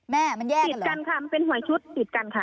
แม่มันแยกติดกันค่ะมันเป็นหวยชุดติดกันค่ะ